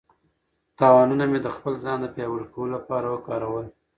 تاوانونه مې د خپل ځان د پیاوړي کولو لپاره وکارول.